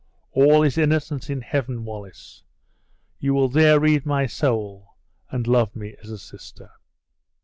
All is innocence in heaven, Wallace! You will there read my soul, and love me as a sister."